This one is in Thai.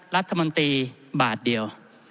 รัฐมนตรีบาทเดียว